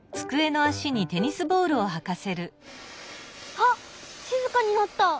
あっしずかになった！